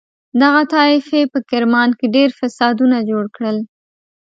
دغه طایفې په کرمان کې ډېر فسادونه جوړ کړل.